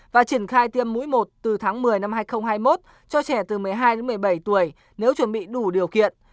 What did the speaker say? và triển khai tiêm mũi một từ tháng một mươi năm hai nghìn hai mươi một cho trẻ từ một mươi hai đến một mươi bảy tuổi nếu chuẩn bị đủ điều kiện